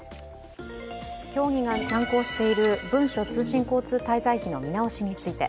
協議が難航している文書通信交通滞在費の見直しについて。